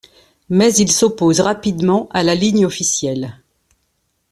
Mais il s'oppose rapidement à la ligne officielle.